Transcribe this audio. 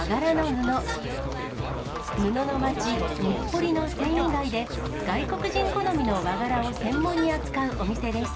布の街、日暮里の繊維街で、外国人好みの和柄を専門に扱うお店です。